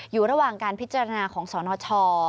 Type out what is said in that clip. อยู่ระหว่างการพิจารณาของสนช